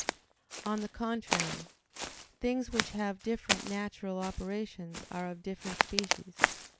On the contrary, Things which have different natural operations are of different species.